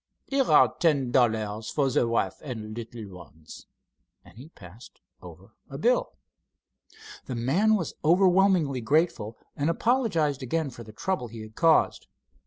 Here are ten dollars for the wife and little ones," and he passed over a bill. The man was overwhelmingly grateful and apologized again for the trouble he had caused.